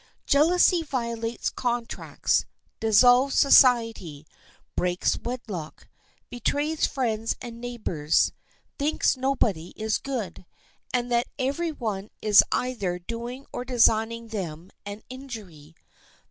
Jealousy violates contracts, dissolves society, breaks wedlock, betrays friends and neighbors, thinks nobody is good, and that every one is either doing or designing them an injury.